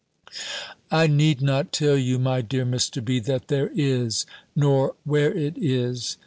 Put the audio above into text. _" "I need not tell you, my dear Mr. B., that there is, nor where it is."